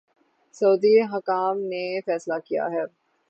سعودی حکام نے فیصلہ کیا ہے